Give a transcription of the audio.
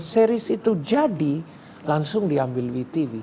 series itu jadi langsung diambil vtv